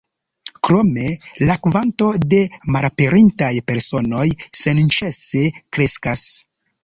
Krome la kvanto de malaperintaj personoj senĉese kreskas.